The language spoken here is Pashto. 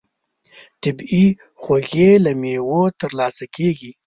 طبیعي خوږې له مېوو ترلاسه کېږي.